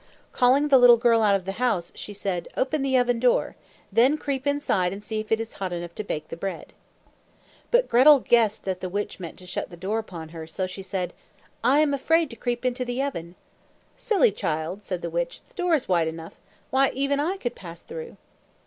Calling the little girl out of the house she said, "Open the oven door. Then creep inside and see if it is hot enough to bake the bread." But Gretel guessed that the witch meant to shut the door upon her, so she said, "I am afraid to creep into the oven." "Silly child!" said the witch. "The door is wide enough. Why, even I could pass through!"